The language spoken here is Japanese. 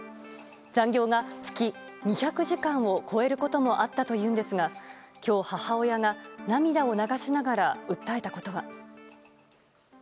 残業が月２００時間を超えることもあったというんですが今日、母親が涙を流しながら訴えたことは。